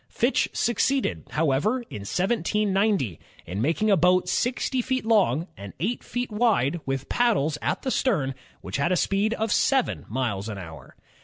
Fitch succeeded, however, in 1790, in making a boat sixty feet long and eight feet wide with paddles at the stern, which had a speed of seven miles an hour.